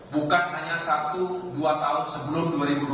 bukan hanya satu dua tahun sebelum dua ribu dua puluh